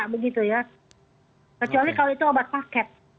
kecuali kalau itu obat paket